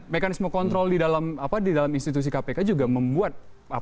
mekanisme kontrol di dalam institusi kpk juga membuat